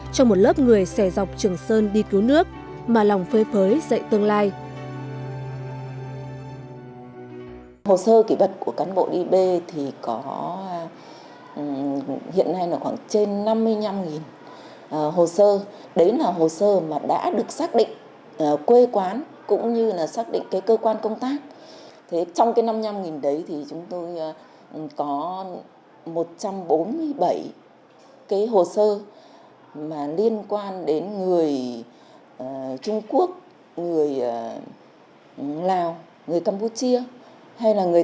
trong một lớp người xẻ dọc trường sơn đi cứu nước mà lòng phơi phới dạy tương lai